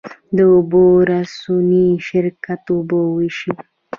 د اوبو رسونې شرکت اوبه ویشي